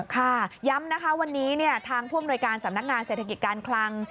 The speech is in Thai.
ค่ะย้ำนะคะวันนี้ทางผู้อำนวยการสำนักงานเศรษฐกิจการคลัง